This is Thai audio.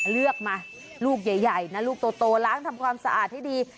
เลือกมาลูกใหญ่นะลูกโตล้างทำความสะอาดให้ดี